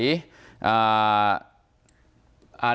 นายแสงโต้นะฮะ